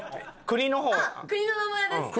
国の名前ですか？